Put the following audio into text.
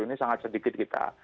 ini sangat sedikit kita